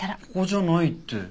ここじゃないって。